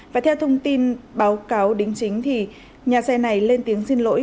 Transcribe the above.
và theo thông tin báo cáo đính chính thì nhà xe này lên tiếng xin lỗi